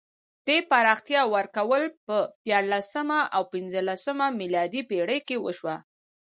دې پراختیا ورکول په دیارلسمه او پنځلسمه میلادي پېړۍ کې وشوه.